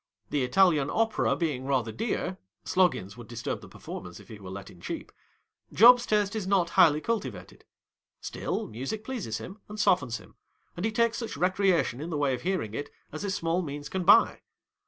The Italian Opera being rather dear (Sloggins would disturb the performance if he were let in cheap), Job's taste is not highly cultivated ; still, music pleases him and softens him, and he takes such recreation in the way of heai ing it as his small means can buy.